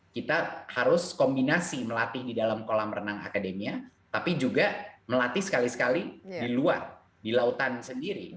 kita harus kombinasi melatih di dalam kolam renang akademia tapi juga melatih sekali sekali di luar di lautan sendiri